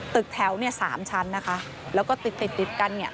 ตึกแถว๓ชั้นนะคะแล้วก็ติดกันเนี่ย